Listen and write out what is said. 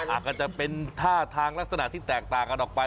อาจจะเป็นท่าทางลักษณะที่แตกต่างกันออกไป